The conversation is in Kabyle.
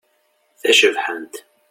Tacebḥant.